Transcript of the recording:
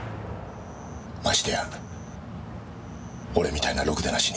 ましてや俺みたいなろくでなしに。